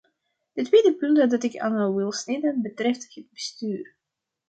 Het tweede punt dat ik aan wil snijden betreft het bestuur.